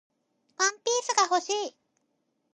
ワンピースが欲しい